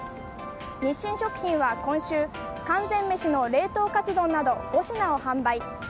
日清食品は今週完全メシの冷凍カツ丼など５品を販売。